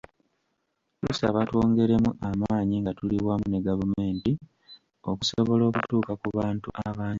Tusaba twongeremu amaanyi nga tuli wamu ne gavumenti okusobola okutuuka ku bantu abangi.